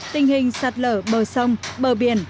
tình hình sạt lở bờ sông bờ biển